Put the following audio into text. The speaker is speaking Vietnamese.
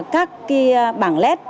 các bảng led